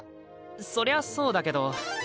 そりゃそうだけど。